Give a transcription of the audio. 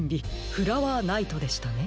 フラワーナイトでしたね。